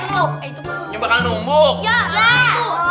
buat mont endok ada kalimat di belah mnie bergora